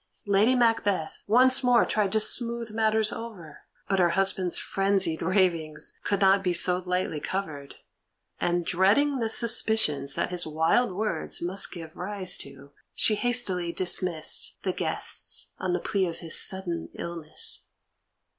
Lady Macbeth once more tried to smooth matters over, but her husband's frenzied ravings could not be so lightly covered, and, dreading the suspicions that his wild words must give rise to, she hastily dismissed the guests on the plea of his sudden illness.